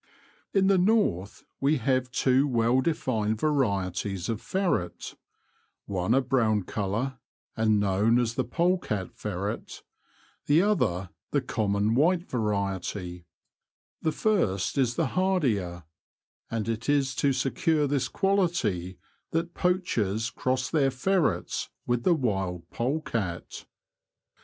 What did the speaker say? In the north we have two well defined varieties of ferret — one a brown colour and 124 ^^^ Confessions of a Poacher, known as the polecat ferret ; the other, the common white variety. The first is the hardier, and it is to secure this quality that poachers cross their ferrets with the wild polecat.